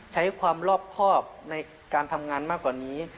ใช้ความรอบครอบในการทำงานมากกว่านี้